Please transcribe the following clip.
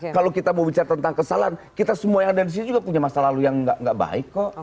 kalau kita mau bicara tentang kesalahan kita semua yang ada di sini juga punya masa lalu yang gak baik kok